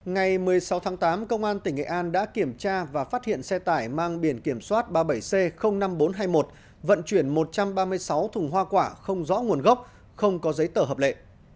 ngày một mươi sáu tháng tám công an tỉnh nghệ an đã kiểm tra và phát hiện xe tải mang biển kiểm soát ba mươi bảy c năm nghìn bốn trăm hai mươi một vận chuyển một trăm ba mươi sáu thùng hoa quả không rõ nguồn gốc không có giấy tờ hợp lệ